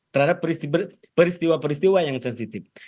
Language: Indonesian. terhadap peristiwa peristiwa yang sensitif